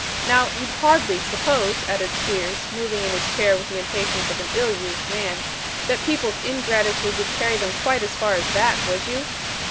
Now, you'd hardly suppose,' added Squeers, moving in his chair with the impatience of an ill used man, 'that people's ingratitude would carry them quite as far as that; would you?